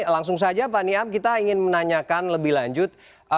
langsung saja pak niam kita ingin menanyakan lebih lanjut